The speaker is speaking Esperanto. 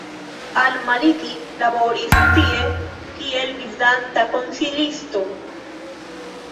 Al-Maliki laboris tie kiel gvidanta konsilisto.